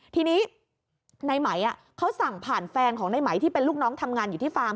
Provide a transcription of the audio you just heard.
ทีนี้ในไหมเขาสั่งผ่านแฟนของในไหมที่เป็นลูกน้องทำงานอยู่ที่ฟาร์ม